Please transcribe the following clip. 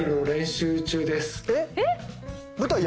えっ？